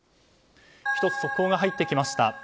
１つ速報が入ってきました。